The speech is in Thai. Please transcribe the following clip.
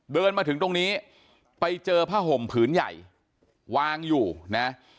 เดินมาถึงตรงนี้ไปเจอผ้าห่มผืนใหญ่วางอยู่นะ